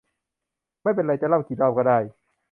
ไม่เป็นไร จะเล่ากี่รอบก็ได้